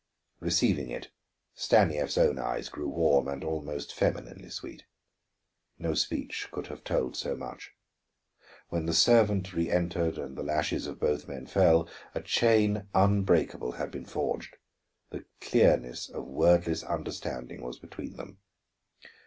Receiving it, Stanief's own eyes grew warm and almost femininely sweet. No speech could have told so much. When the servant reëntered and the lashes of both men fell, a chain unbreakable had been forged, the clearness of wordless understanding was between them.